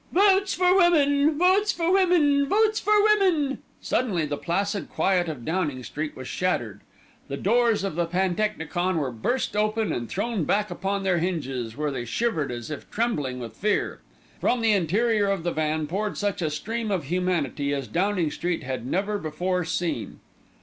"Votes for Women! Votes for Women!! Votes for Women!!!" Suddenly the placid quiet of Downing Street was shattered. The doors of the pantechnicon were burst open and thrown back upon their hinges, where they shivered as if trembling with fear. From the interior of the van poured such a stream of humanity as Downing Street had never before seen.